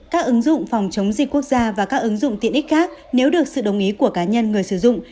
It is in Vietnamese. các ứng dụng phòng chống dịch quốc gia và các ứng dụng tiện ích khác nếu được sự đồng ý của cá nhân người sử dụng